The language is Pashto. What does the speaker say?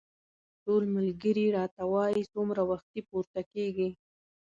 ټول ملګري راته وايي څومره وختي پورته کېږې.